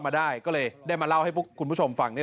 มาได้ก็เลยได้มาเล่าให้คุณผู้ชมฟัง